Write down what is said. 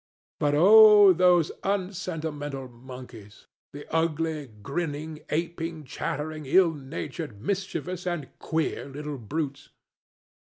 But oh those unsentimental monkeys! The ugly, grinning, aping, chattering, ill natured, mischievous and queer little brutes!